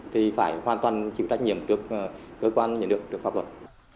thì phải hoàn toàn chịu trách nhiệm được cơ quan nhận được được pháp luật